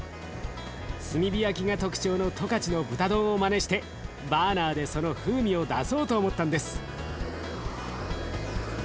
炭火焼きが特徴の十勝の豚丼をまねしてバーナーでその風味を出そうと思ったんです。